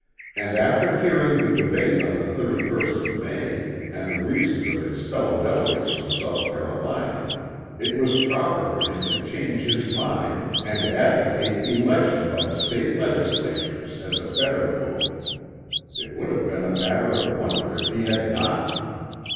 And after hearing the debate on the 31st of May and the reasons of his fellow delegates from South Carolina, it was proper for him to change his mind and advocate election by the State legislatures as a better mode. It would have been a matter of wonder if he had not!